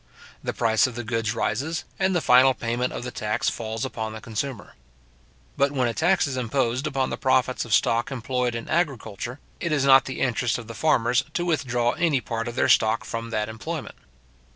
The price of the goods rises, and the final payment of the tax falls upon the consumer. But when a tax is imposed upon the profits of stock employed in agriculture, it is not the interest of the farmers to withdraw any part of their stock from that employment.